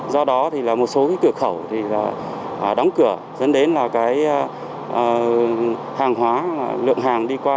do đó một số cửa khẩu đóng cửa dẫn đến hàng hóa lượng hàng đi qua